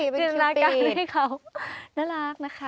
จินตนาการให้เขาน่ารักนะคะ